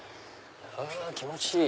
気持ちいい！